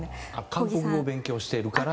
韓国語を勉強しているから？